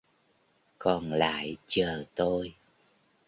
còn lại chờ tôi